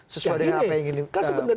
sesuai dengan apa yang ingin disampaikan